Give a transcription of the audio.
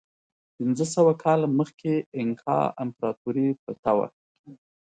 پنځه سوه کاله مخکې اینکا امپراتورۍ پرته وه.